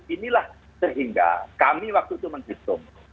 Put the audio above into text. inilah sehingga kami waktu itu menghitung